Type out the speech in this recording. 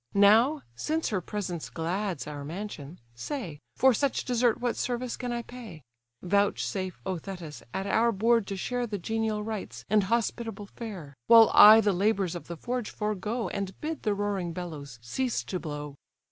Now, since her presence glads our mansion, say, For such desert what service can I pay? Vouchsafe, O Thetis! at our board to share The genial rites, and hospitable fare; While I the labours of the forge forego, And bid the roaring bellows cease to blow."